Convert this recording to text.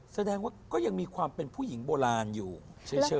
แสดงว่าก็ยังมีความเป็นผู้หญิงโบราณอยู่เฉย